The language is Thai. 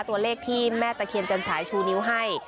ตัวเลขที่แม่ตะเคียนจันฉายชูนิ้วให้